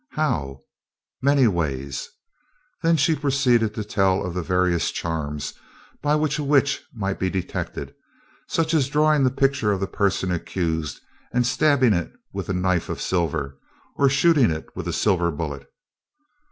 "How?" "Many ways." Then she proceeded to tell of the various charms by which a witch might be detected, such as drawing the picture of the person accused and stabbing it with a knife of silver, or shooting it with a silver bullet.